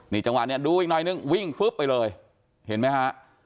จังหวะนี้ดูอีกหน่อยนึงวิ่งฟึ๊บไปเลยเห็นไหมฮะ